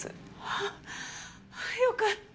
あっよかった。